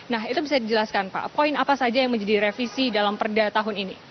nah itu bisa dijelaskan pak poin apa saja yang menjadi revisi dalam perda tahun ini